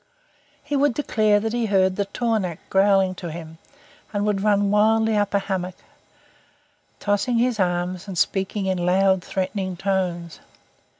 He would declare that he heard the tornaq growling to him, and would run wildly up a hummock, tossing his arms and speaking in loud, threatening tones.